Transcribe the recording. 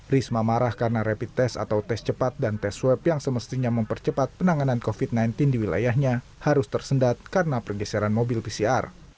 risma marah karena rapid test atau tes cepat dan tes swab yang semestinya mempercepat penanganan covid sembilan belas di wilayahnya harus tersendat karena pergeseran mobil pcr